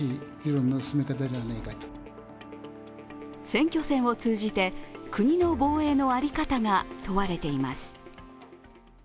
選挙戦を通じて国の防衛の在り方が問われています。